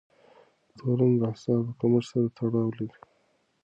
تورم د اسعارو کمښت سره تړاو لري.